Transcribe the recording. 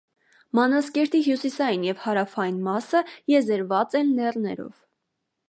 Մանազկերտի հյուսիսային և հարավային մասը եզերված են լեռներով։